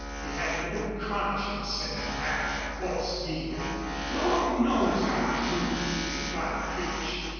He had no conscience in a matter of horse dealing. "Lord knows, I do," replied Creech.